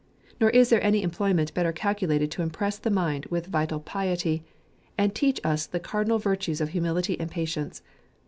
Nor is there any employment better calcu lated to impress the mind wth vital piety, and teach us the cardinal virtues of humility and patience.